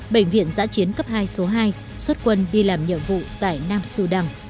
bệnh viện giã chiến cấp hai số hai xuất quân đi làm nhiệm vụ tại nam sư đăng